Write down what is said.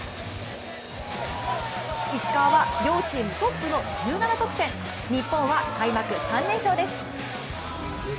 石川は両チームトップの１７得点、日本は開幕３連勝です。